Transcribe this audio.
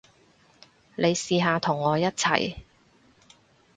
你試下同我一齊